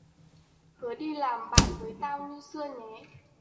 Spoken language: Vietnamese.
hứa đi làm bạn với tao như xưa nhé